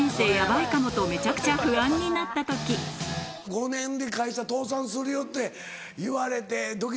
「５年で会社倒産するよ」って言われてドキドキする。